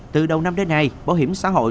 từ đầu năm đến nay bảo hiểm xã hội